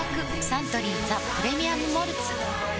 サントリー「ザ・プレミアム・モルツ」